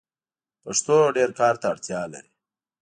پښتو ډير کار ته اړتیا لري.